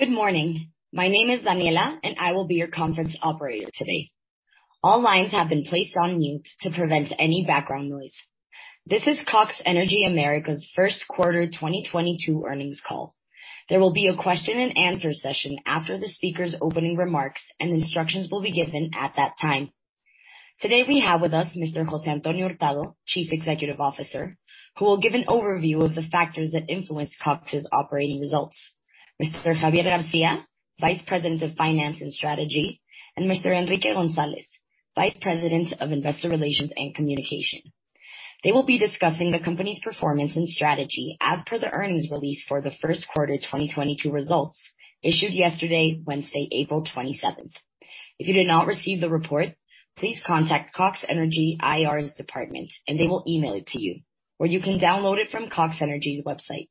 Good morning. My name is Daniela, and I will be your conference operator today. All lines have been placed on mute to prevent any background noise. This is Cox Energy América's first quarter 2022 earnings call. There will be a question and answer session after the speaker's opening remarks, and instructions will be given at that time. Today, we have with us Mr. José Antonio Hurtado, Chief Executive Officer, who will give an overview of the factors that influenced Cox's operating results. Mr. Javier García, Vice President of Finance and Strategy, and Mr. Enrique González, Vice President of Investor Relations and Communication. They will be discussing the company's performance and strategy as per the earnings release for the first quarter 2022 results issued yesterday, Wednesday, April 27. If you did not receive the report, please contact Cox Energy IR's department, and they will email it to you, or you can download it from Cox Energy's website.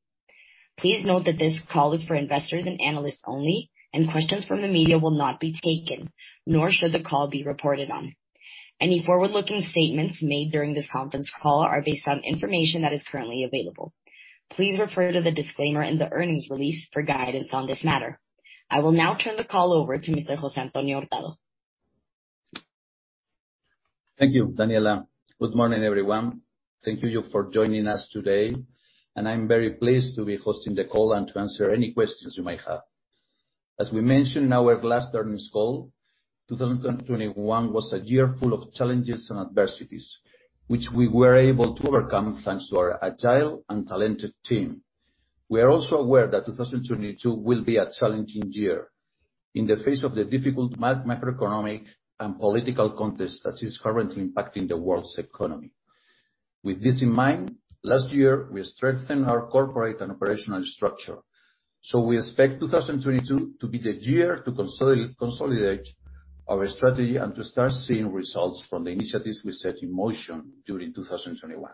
Please note that this call is for investors and analysts only, and questions from the media will not be taken, nor should the call be reported on. Any forward-looking statements made during this conference call are based on information that is currently available. Please refer to the disclaimer in the earnings release for guidance on this matter. I will now turn the call over to Mr. José Antonio Hurtado. Thank you, Daniela. Good morning, everyone. Thank you for joining us today, and I'm very pleased to be hosting the call and to answer any questions you may have. As we mentioned in our last earnings call, 2021 was a year full of challenges and adversities, which we were able to overcome, thanks to our agile and talented team. We are also aware that 2022 will be a challenging year in the face of the difficult macroeconomic and political context that is currently impacting the world's economy. With this in mind, last year, we strengthened our corporate and operational structure. We expect 2022 to be the year to consolidate our strategy and to start seeing results from the initiatives we set in motion during 2021.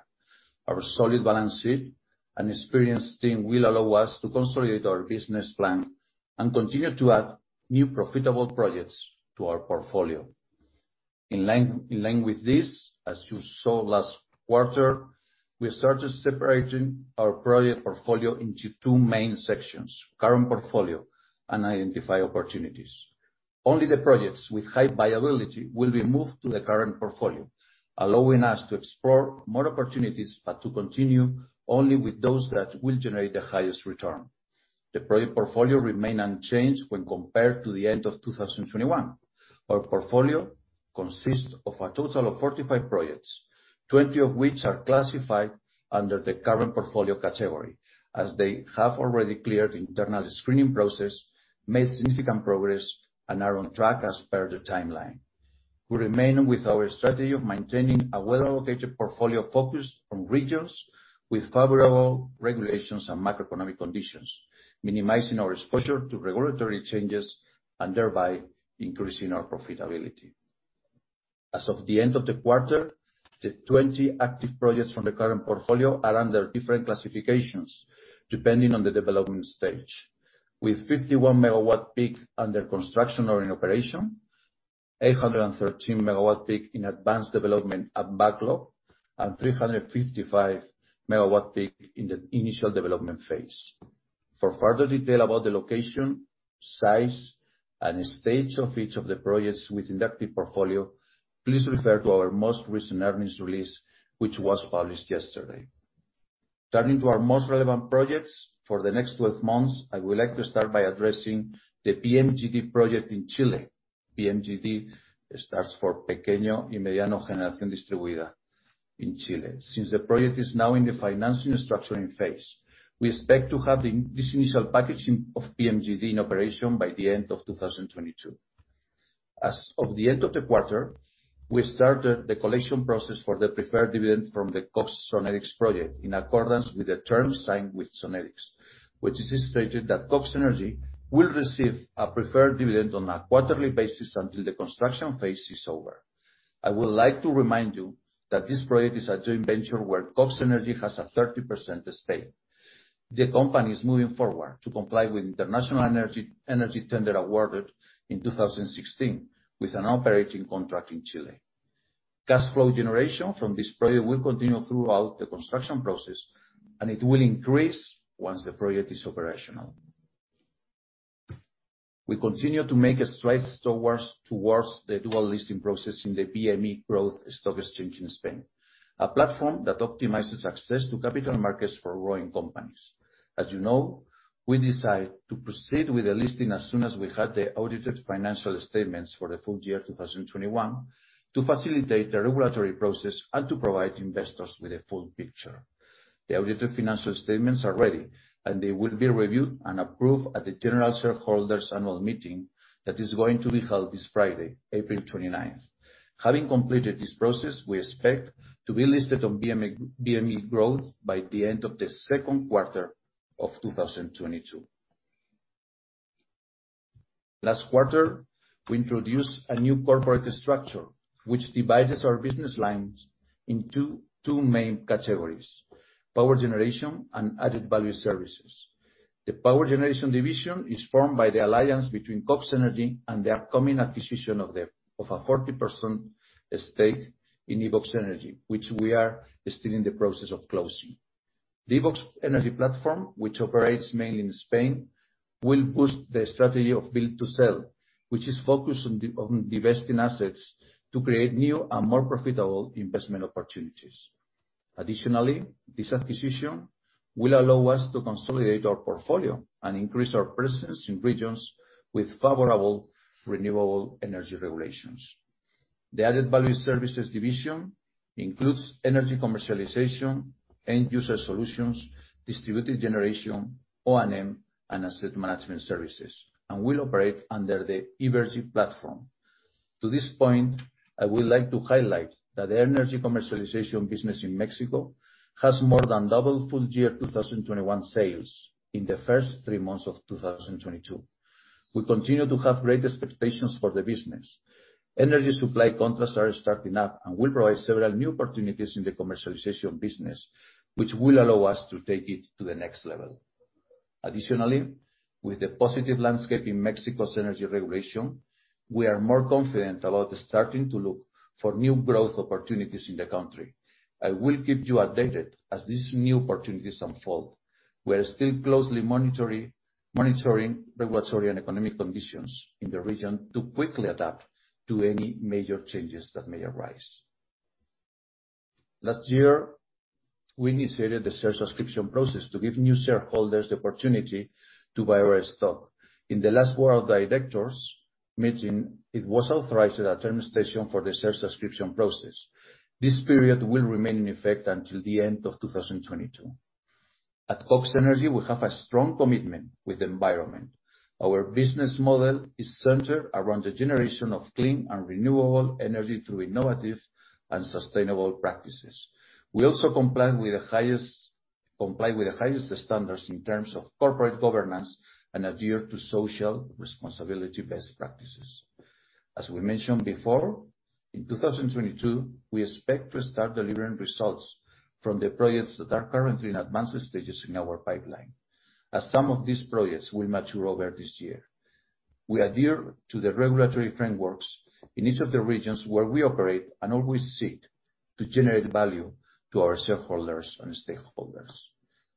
Our solid balance sheet and experienced team will allow us to consolidate our business plan and continue to add new profitable projects to our portfolio. In line with this, as you saw last quarter, we started separating our project portfolio into two main sections, current portfolio and identified opportunities. Only the projects with high viability will be moved to the current portfolio, allowing us to explore more opportunities, but to continue only with those that will generate the highest return. The project portfolio remain unchanged when compared to the end of 2021. Our portfolio consists of a total of 45 projects, 20 of which are classified under the current portfolio category, as they have already cleared internal screening process, made significant progress, and are on track as per the timeline. We remain with our strategy of maintaining a well-allocated portfolio focused on regions with favorable regulations and macroeconomic conditions, minimizing our exposure to regulatory changes and thereby increasing our profitability. As of the end of the quarter, the 20 active projects from the current portfolio are under different classifications, depending on the development stage, with 51 MWp under construction or in operation, 813 MWp in advanced development and backlog, and 355 MWp in the initial development phase. For further detail about the location, size, and stage of each of the projects within the active portfolio, please refer to our most recent earnings release, which was published yesterday. Turning to our most relevant projects for the next 12 months, I would like to start by addressing the PMGD project in Chile. PMGD stands for Pequeños Medios de Generación Distribuida in Chile. Since the project is now in the financing and structuring phase, we expect to have this initial packaging of PMGD in operation by the end of 2022. As of the end of the quarter, we started the collection process for the preferred dividend from the Cox Sonnedix project in accordance with the terms signed with Sonnedix, which it is stated that Cox Energy will receive a preferred dividend on a quarterly basis until the construction phase is over. I would like to remind you that this project is a joint venture where Cox Energy has a 30% stake. The company is moving forward to comply with international energy tender awarded in 2016, with an operating contract in Chile. Cash flow generation from this project will continue throughout the construction process, and it will increase once the project is operational. We continue to make strides towards the dual listing process in the BME Growth stock exchange in Spain, a platform that optimizes access to capital markets for growing companies. As you know, we decide to proceed with the listing as soon as we had the audited financial statements for the full year 2021 to facilitate the regulatory process and to provide investors with a full picture. The audited financial statements are ready, and they will be reviewed and approved at the general shareholders annual meeting that is going to be held this Friday, April 29th. Having completed this process, we expect to be listed on BME Growth by the end of the second quarter of 2022. Last quarter, we introduced a new corporate structure, which divides our business lines into two main categories: power generation and added value services. The power generation division is formed by the alliance between Cox Energy and the upcoming acquisition of a 40% stake in Ibox Energy, which we are still in the process of closing. The Ibox Energy platform, which operates mainly in Spain, will boost the strategy of build to sell, which is focused on divesting assets to create new and more profitable investment opportunities. Additionally, this acquisition will allow us to consolidate our portfolio and increase our presence in regions with favorable renewable energy regulations. The added value services division includes energy commercialization, end user solutions, distributed generation, O&M, and asset management services, and will operate under the Evergy platform. To this point, I would like to highlight that the energy commercialization business in Mexico has more than double full year 2021 sales in the first three months of 2022. We continue to have great expectations for the business. Energy supply contracts are starting up and will provide several new opportunities in the commercialization business, which will allow us to take it to the next level. Additionally, with the positive landscape in Mexico's energy regulation, we are more confident about starting to look for new growth opportunities in the country. I will keep you updated as these new opportunities unfold. We are still closely monitoring regulatory and economic conditions in the region to quickly adapt to any major changes that may arise. Last year, we initiated the share subscription process to give new shareholders the opportunity to buy our stock. In the last board of directors meeting, it was authorized the termination for the share subscription process. This period will remain in effect until the end of 2022. At Cox Energy, we have a strong commitment with the environment. Our business model is centered around the generation of clean and renewable energy through innovative and sustainable practices. We also comply with the highest standards in terms of corporate governance and adhere to social responsibility best practices. As we mentioned before, in 2022, we expect to start delivering results from the projects that are currently in advanced stages in our pipeline, as some of these projects will mature over this year. We adhere to the regulatory frameworks in each of the regions where we operate and always seek to generate value to our shareholders and stakeholders.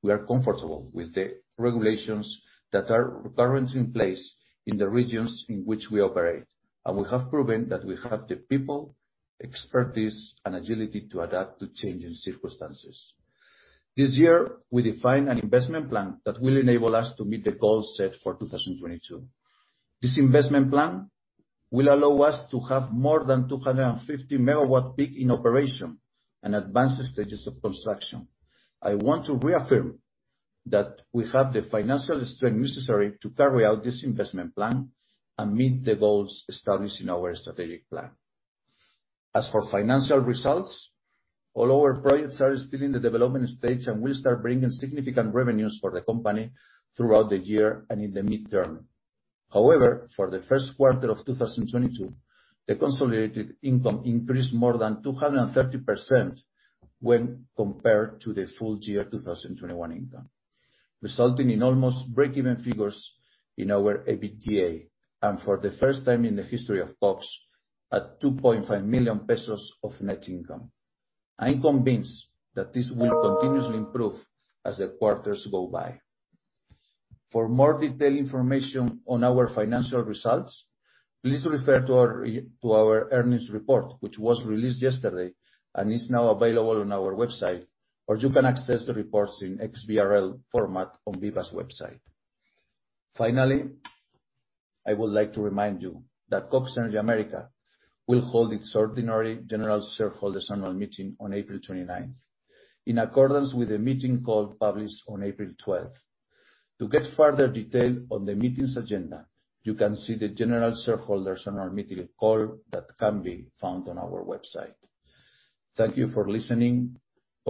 We are comfortable with the regulations that are currently in place in the regions in which we operate, and we have proven that we have the people, expertise, and agility to adapt to changing circumstances. This year, we defined an investment plan that will enable us to meet the goals set for 2022. This investment plan will allow us to have more than 250 MWp in operation and advanced stages of construction. I want to reaffirm that we have the financial strength necessary to carry out this investment plan and meet the goals established in our strategic plan. As for financial results, all our projects are still in the development stage and will start bringing significant revenues for the company throughout the year and in the midterm. However, for the first quarter of 2022, the consolidated income increased more than 230% when compared to the full year 2021 income, resulting in almost break-even figures in our EBITDA, and for the first time in the history of Cox, at 2.5 million pesos of net income. I am convinced that this will continuously improve as the quarters go by. For more detailed information on our financial results, please refer to our earnings report, which was released yesterday and is now available on our website, or you can access the reports in XBRL format on BIVA's website. Finally, I would like to remind you that Cox Energy América will hold its ordinary general shareholders annual meeting on April 29, in accordance with a meeting call published on April 12. To get further detail on the meeting's agenda, you can see the general shareholders annual meeting call that can be found on our website. Thank you for listening.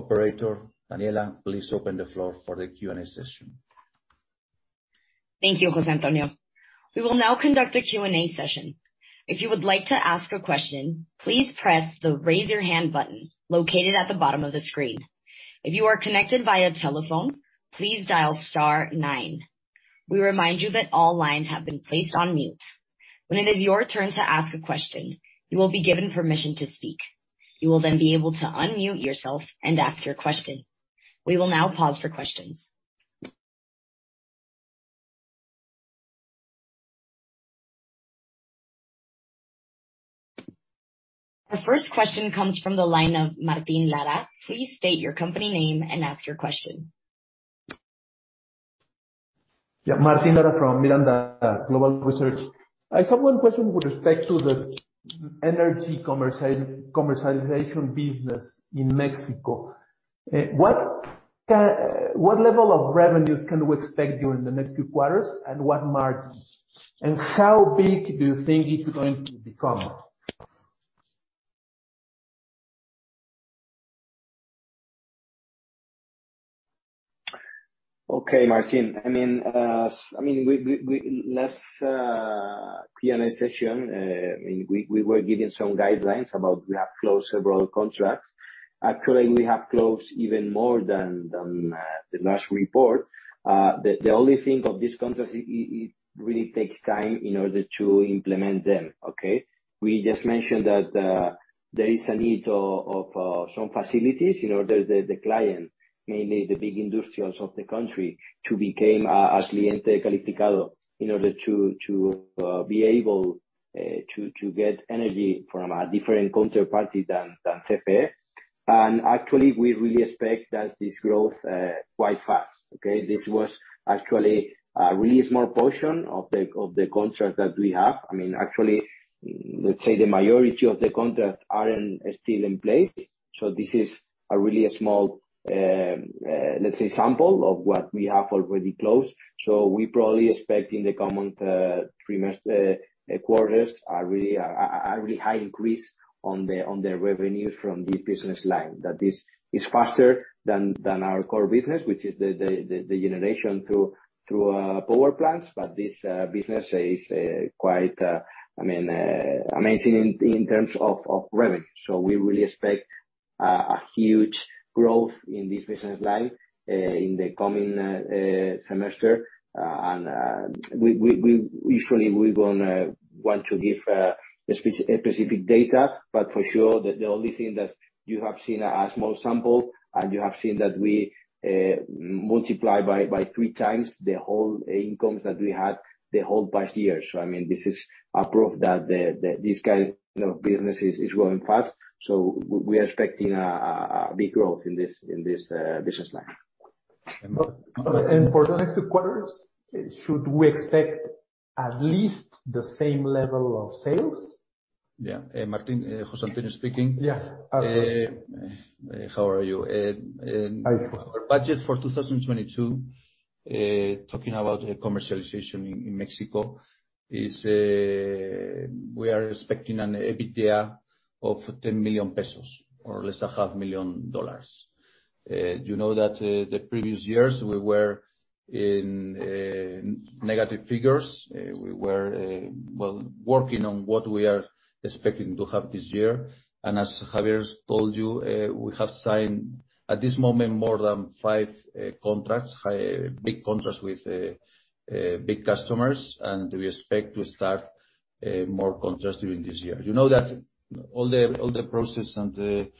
Operator Daniela, please open the floor for the Q&A session. Thank you, José Antonio. We will now conduct a Q&A session. If you would like to ask a question, please press the Raise Your Hand button located at the bottom of the screen. If you are connected via telephone, please dial star nine. We remind you that all lines have been placed on mute. When it is your turn to ask a question, you will be given permission to speak. You will then be able to unmute yourself and ask your question. We will now pause for questions. Our first question comes from the line of Martín Lara. Please state your company name and ask your question. Yeah. Martín Lara from Miranda Global Research. I have one question with respect to the energy commercialization business in Mexico. What level of revenues can we expect during the next few quarters, and what margins? How big do you think it's going to become? Okay, Martín. I mean, last Q&A session, I mean, we were giving some guidelines about we have closed several contracts. Actually, we have closed even more than the last report. The only thing of this constraint really takes time in order to implement them. Okay? We just mentioned that there is a need of some facilities in order for the client, mainly the big industrials of the country, to become a cliente calificado in order to be able to get energy from a different counterparty than CFE. Actually we really expect that this to grow quite fast. Okay? This was actually a really small portion of the contract that we have. I mean, actually, let's say the majority of the contracts are still in place, so this is a really small, let's say, sample of what we have already closed. We probably expect in the coming three months quarters a really high increase on the revenues from this business line. This is faster than our core business, which is the generation through power plants. This business is quite I mean amazing in terms of revenue. We really expect a huge growth in this business line in the coming semester. We usually want to give specific data, but for sure, the only thing that you have seen a small sample, and you have seen that we multiply by three times the whole incomes that we had the whole past year. I mean, this is a proof that this kind of business is growing fast. We are expecting a big growth in this business line. For the next two quarters, should we expect at least the same level of sales? Yeah. Martín, José Antonio speaking. Yeah. How are you? Hi. Our budget for 2022, talking about commercialization in Mexico, is we are expecting an EBITDA of 10 million pesos or less than a half million dollars. You know that the previous years we were in negative figures. We were well working on what we are expecting to have this year. As Javier's told you, we have signed at this moment, more than five contracts, big contracts with big customers. We expect to start more contracts during this year. You know that all the process and the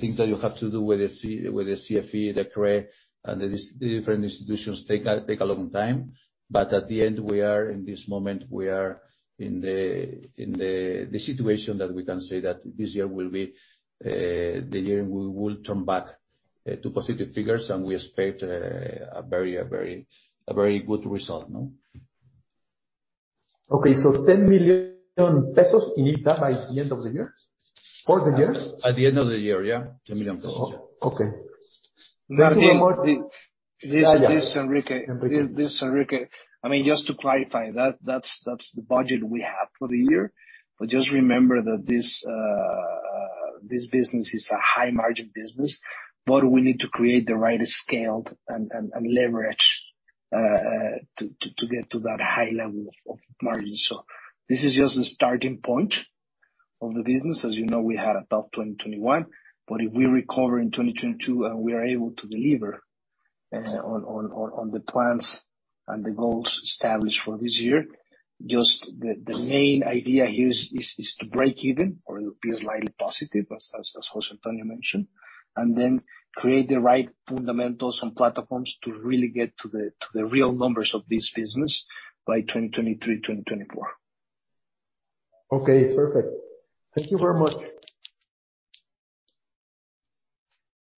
things that you have to do with the CFE, the CRE and the different institutions take a long time, but at the end, in this moment, we are in the situation that we can say that this year will be the year we will turn back to positive figures, and we expect a very good result. No? Okay, so 10 million pesos in EBITDA by the end of the year? For the years? At the end of the year, yeah. MXN 10 million. Okay. I mean, just to clarify, that's the budget we have for the year. Just remember that this business is a high margin business, but we need to create the right scale and leverage to get to that high level of margin. This is just the starting point of the business. As you know, we had a tough 2021, but if we recover in 2022, and we are able to deliver on the plans and the goals established for this year, just the main idea here is to break even or be slightly positive, as José Antonio mentioned, and then create the right fundamentals and platforms to really get to the real numbers of this business by 2023, 2024. Okay, perfect. Thank you very much.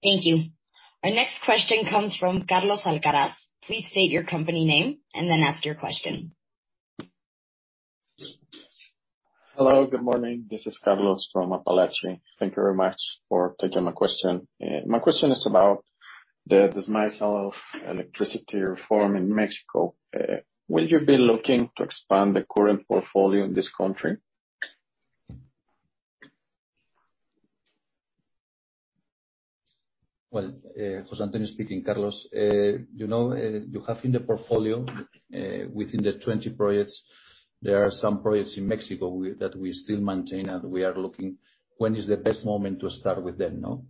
Thank you. Our next question comes from Carlos Alcaraz. Please state your company name and then ask your question. Hello, good morning. This is Carlos Alcaraz from Apalache. Thank you very much for taking my question. My question is about the dismissal of electricity reform in Mexico. Will you be looking to expand the current portfolio in this country? Well, José Antonio speaking. Carlos, you know, you have in the portfolio, within the 20 projects, there are some projects in Mexico that we still maintain, and we are looking when is the best moment to start with them, no?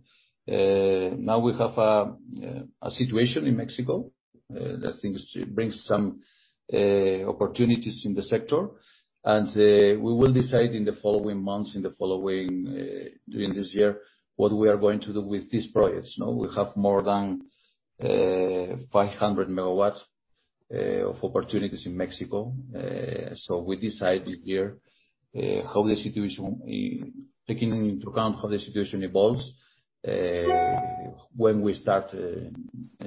Now we have a situation in Mexico that things bring some opportunities in the sector. We will decide in the following months during this year what we are going to do with these projects. No? We have more than 500 MW of opportunities in Mexico. We decide this year, taking into account how the situation evolves, when we start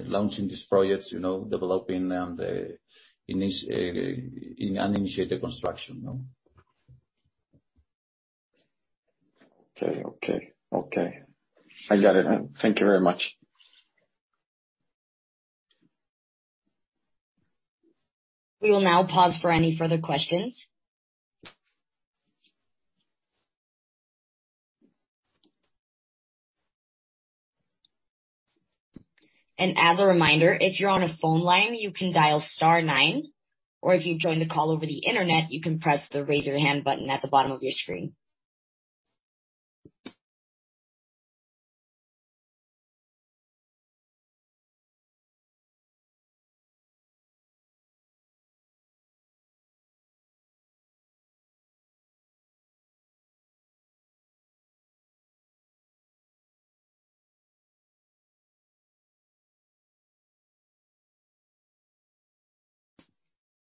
launching these projects, you know, developing them and initiate the construction. No? Okay. I got it. Thank you very much. We will now pause for any further questions. As a reminder, if you're on a phone line, you can dial star nine, or if you've joined the call over the Internet, you can press the Raise Your Hand button at the bottom of your screen.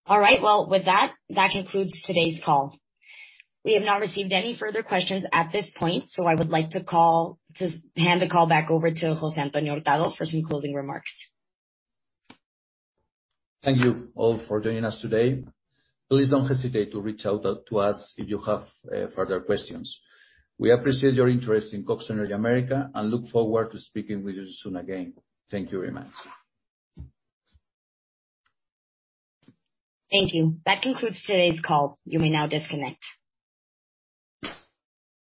All right. Well, with that concludes today's call. We have not received any further questions at this point, so I would like to just hand the call back over to José Antonio Hurtado for some closing remarks. Thank you all for joining us today. Please don't hesitate to reach out to us if you have further questions. We appreciate your interest in Cox Energy América and look forward to speaking with you soon again. Thank you very much. Thank you. That concludes today's call. You may now disconnect.